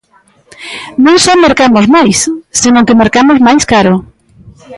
Non só mercamos máis, senón que mercamos máis caro.